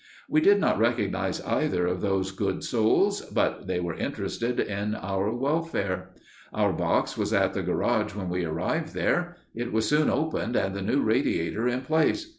We did not recognize either of those good souls, but they were interested in our welfare. Our box was at the garage when we arrived there. It was soon opened and the new radiator in place.